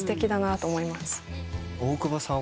大久保さん